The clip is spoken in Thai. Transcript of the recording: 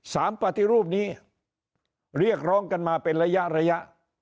ปฏิรูปนี้เรียกร้องกันมาเป็นระยะระยะ